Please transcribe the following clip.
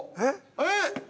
◆えっ！？